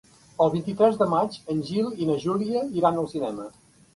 El vint-i-tres de maig en Gil i na Júlia iran al cinema.